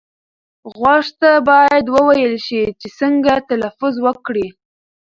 غوږ ته باید وویل شي چې څنګه تلفظ وکړي.